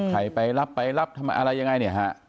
ไหนไปรับไปรับอะไรยังไงเนี่ยค่ะ